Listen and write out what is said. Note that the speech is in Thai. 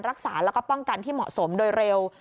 รักษาแล้วก็ป้องกันที่เหมาะสมโดยเร็ว